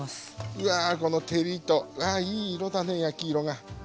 うわこの照りとああいい色だね焼き色が。